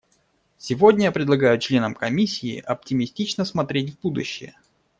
Сегодня я предлагаю членам Комиссии оптимистично смотреть в будущее.